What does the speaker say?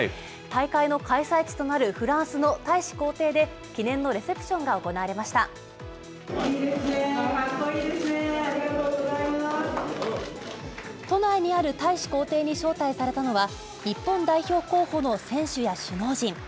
大会の開催地となるフランスの大使公邸で、記念のレセプショかっこいいですね、ありがと都内にある大使公邸に招待されたのは、日本代表候補の選手や首脳陣。